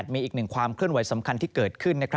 มีอีกหนึ่งความเคลื่อนไหวสำคัญที่เกิดขึ้น